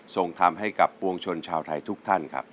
ส่งทำให้กับปวงชนชาวไทยทุกท่านครับ